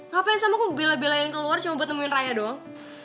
gapain sama aku bila bilain keluar cuma buat nemuin raya doang